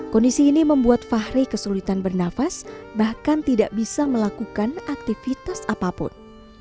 kondisi ini membuat fahri kesulitan bernafas bahkan tidak bisa melakukan aktivitas apapun